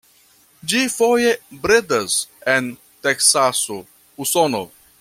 Ĝi foje bredas en Teksaso, Usono.